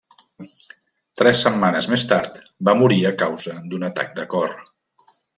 Tres setmanes més tard va morir a causa d'un atac de cor.